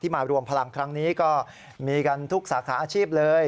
มารวมพลังครั้งนี้ก็มีกันทุกสาขาอาชีพเลย